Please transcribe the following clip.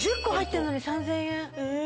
１０個入ってるのに３０００円。